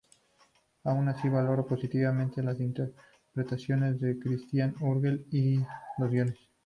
Aun así, valoró positivamente las interpretaciones de Cristina Urgel y los guiones.